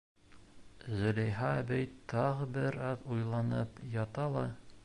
Зөләйха әбей тағы бер аҙ уйланып ята ла: